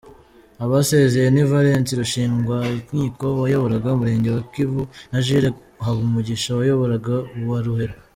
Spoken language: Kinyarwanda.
Abasezeye ni Valens Rushingwankiko wayoboraga Umurenge wa Kivu na Jules Habumugisha wayoboraga uwa Ruheru.